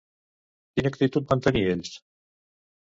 Quina actitud van tenir ells?